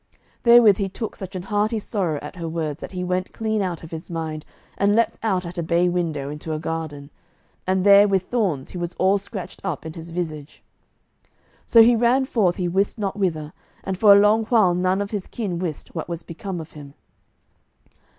Therewith he took such an hearty sorrow at her words that he went clean out of his mind, and leaped out at a bay window into a garden, and there with thorns he was all scratched up in his visage. So he ran forth he wist not whither, and for a long while none of his kin wist what was become of him.